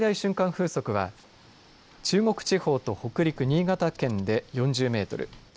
風速は中国地方と北陸新潟県で４０メートル。